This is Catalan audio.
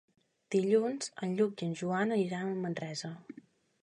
Dilluns en Lluc i en Joan aniran a Manresa.